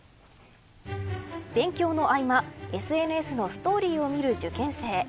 勉強の合間ＳＮＳのストーリーを見る受験生。